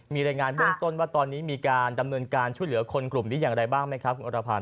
มีรายงานเบื้องต้นว่าตอนนี้มีการดำเนินการช่วยเหลือคนกลุ่มนี้อย่างไรบ้างไหมครับคุณอรพันธ